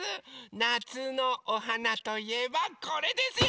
なつのおはなといえばこれですよ！